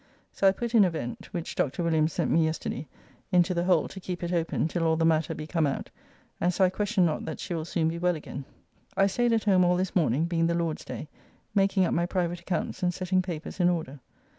So I put in a vent (which Dr. Williams sent me yesterday) into the hole to keep it open till all the matter be come out, and so I question not that she will soon be well again. I staid at home all this morning, being the Lord's day, making up my private accounts and setting papers in order.